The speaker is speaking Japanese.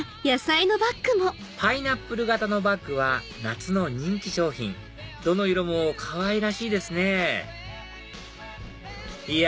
パイナップル形のバッグは夏の人気商品どの色もかわいらしいですねいや